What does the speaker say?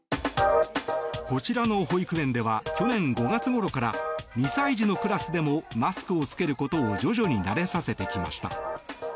こちらの保育園では去年５月ごろから２歳児のクラスでもマスクを着けることを徐々に慣れさせてきました。